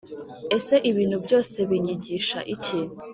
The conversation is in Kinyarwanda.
ese ibintu byose binyigisha iki